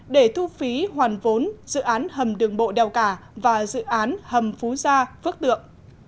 để thu phí hoàn vốn dự án hầm đường bộ đèo cả và dự án hầm phú gia phước tượng